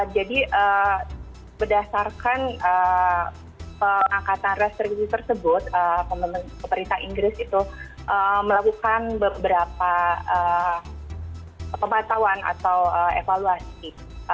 jadi berdasarkan pengangkatan restriksi tersebut pemerintah inggris itu melakukan beberapa pembatawan atau evaluasi